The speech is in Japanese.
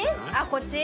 こっち？